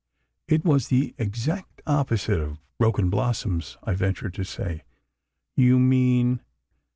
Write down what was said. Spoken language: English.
"It was the exact opposite of 'Broken Blossoms,'" I ventured to say. "You mean